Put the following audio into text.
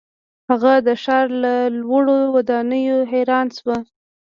هغه د ښار له لوړو ودانیو حیران شو.